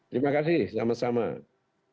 terima kasih selamat selamat